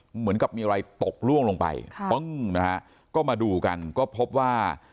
เหมือนกับมีอะไรตกล่วงลงไปค่ะปึ้งนะฮะก็มาดูกันก็พบว่า